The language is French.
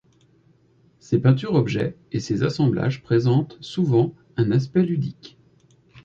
Ses peintures objets et ses assemblages présentent souvent un aspect ludique.